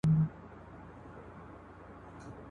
برم، د خپلواکۍ وس